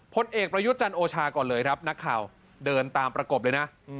ผลเอกประยุทธ์จันโอชาก่อนเลยครับนักข่าวเดินตามประกบเลยนะ